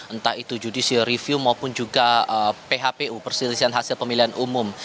entah itu judicial review maupun juga phpu perselisihan hasil pemilihan umum